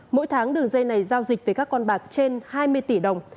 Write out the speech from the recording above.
mỗi tháng đường dây này giao dịch với các con bạc trên hai mươi tỷ đồng